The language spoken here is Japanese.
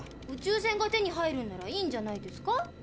宇宙船が手に入るんならいいんじゃないですか？